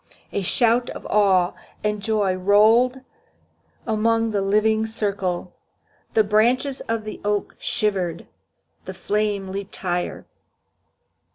A shout of awe and joy rolled along the living circle. The branches of the oak shivered. The flames leaped higher.